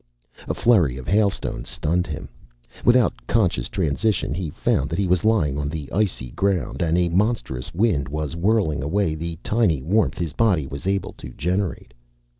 A flurry of hailstones stunned him. Without conscious transition he found that he was lying on the icy ground, and a monstrous wind was whirling away the tiny warmth his body was able to generate.